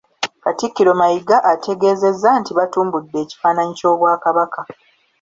Katikkiro Mayiga ategeezezza nti batumbudde ekifaananyi ky'Obwakabaka